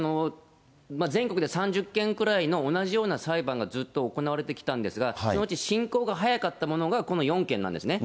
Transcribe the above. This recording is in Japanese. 全国で３０件くらいの同じような裁判がずっと行われてきたんですが、そのうち進行が早かったものがこの４件なんですね。